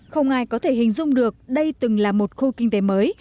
không ai có thể hình dung được đây từng là một khu kinh tế mới